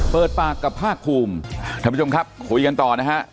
เปิดปากกับภาคภูมิท่านผู้ชมครับคุยกันต่อนะฮะ